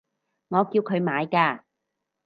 我叫佢買㗎